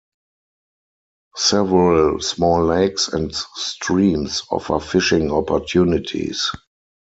Several small lakes and streams offer fishing opportunities.